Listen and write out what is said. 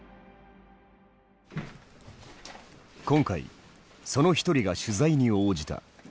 今回その一人が取材に応じた。